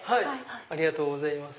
ありがとうございます。